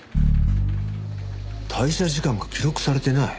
退社時間が記録されてない。